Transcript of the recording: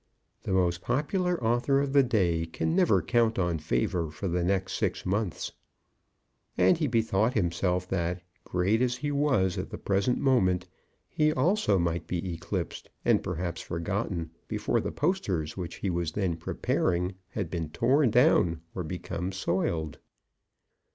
The most popular author of the day can never count on favour for the next six months." And he bethought himself that, great as he was at the present moment, he also might be eclipsed, and perhaps forgotten, before the posters which he was then preparing had been torn down or become soiled.